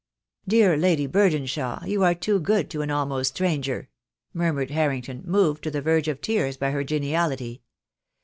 "Dear Lady Burdenshaw, you are too good to an al most stranger," murmured Harrington, moved to the verge of tears by her geniality.